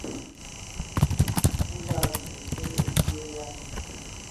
O badǝgǝ tele ! Zulǝyan!